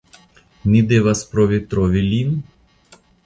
Ni devas provi trovi lin?